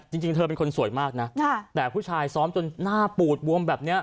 จริงเธอเป็นคนสวยมากนะแต่ผู้ชายซ้อมจนหน้าปูดบวมแบบนี้